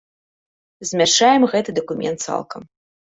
Змяшчаем гэты дакумент цалкам.